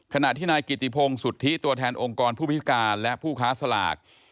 ขณะที่นายกิติพงศุทธิตัวแทนองค์กรผู้พิการและผู้ค้าสลาก